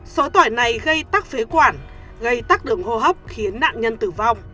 xóa tỏi này gây tắc phế quản gây tắc đường hô hấp khiến nạn nhân tử vong